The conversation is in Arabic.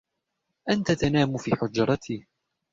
أنت تنام في حجرتي.